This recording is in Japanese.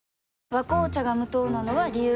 「和紅茶」が無糖なのは、理由があるんよ。